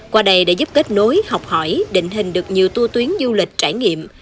qua đây đã giúp kết nối học hỏi định hình được nhiều tua tuyến du lịch trải nghiệm